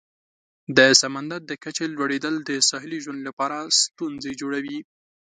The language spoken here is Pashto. د سمندر د کچې لوړیدل د ساحلي ژوند لپاره ستونزې جوړوي.